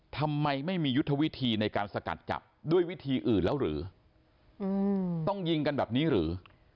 ทำไมไม่มียุทธวิธีในการสกัดจับด้วยวิธีอื่นแล้วหรือต้องยิงกันแบบนี้หรือ